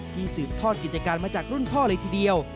สืบทอดกิจการมาจากรุ่นพ่อเลยทีเดียว